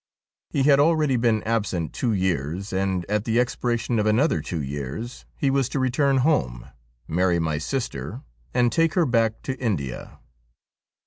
He had already been absent two years, and at the expiration of another two years he was to return home, marry my sister, and take her back to India.